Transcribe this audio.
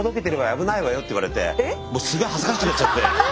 危ないわよって言われてすげえ恥ずかしくなっちゃって。